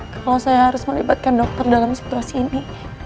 kalau saya harus melibatkan dokter dalam situasi ini